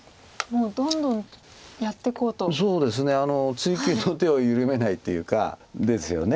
追及の手を緩めないというか。ですよね。